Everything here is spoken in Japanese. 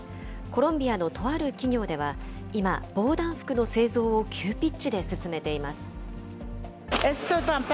コロンビアのとある企業では、今、防弾服の製造を急ピッチで進めています。